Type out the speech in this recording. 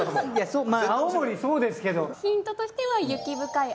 そうまあ青森そうですけどヒントとしては雪深い